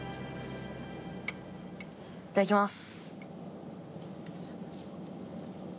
いただきます。